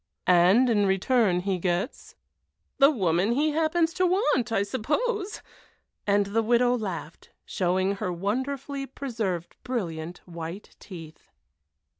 "And in return he gets?" "The woman he happens to want, I suppose." And the widow laughed, showing her wonderfully preserved brilliant white teeth.